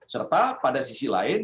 serta pada sisi lain